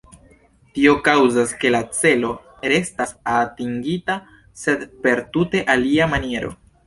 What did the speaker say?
Tio kaŭzas, ke la celo restas atingita, sed per tute alia maniero.